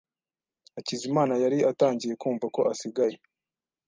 Hakizimana yari atangiye kumva ko asigaye.